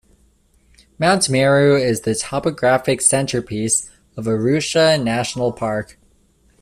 Mount Meru is the topographic centerpiece of Arusha National Park.